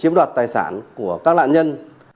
chiếm đoạt tài sản của các lạ nhân